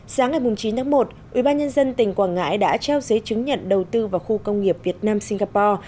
sáng ngày chín tháng một ubnd tỉnh quảng ngãi đã trao giấy chứng nhận đầu tư vào khu công nghiệp việt nam singapore